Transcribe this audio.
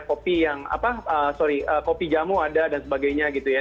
kopi yang apa sorry kopi jamu ada dan sebagainya gitu ya